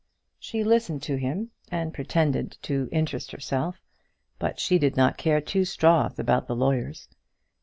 She listened to him, and pretended to interest herself, but she did not care two straws about the lawyers.